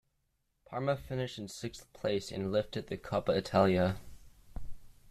Parma finished in sixth place and lifted the Coppa Italia.